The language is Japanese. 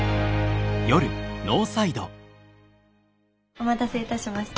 お待たせいたしました。